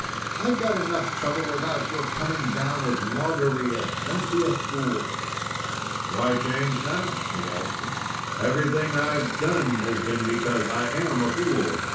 I've got enough trouble without your coming down with logorrhea. Don't be a fool." "Why change now?" he asked her. "Everything I've done has been because I am a fool.